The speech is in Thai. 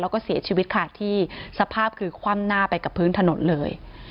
แล้วก็เสียชีวิตค่ะที่สภาพคือคว่ำหน้าไปกับพื้นถนนเลย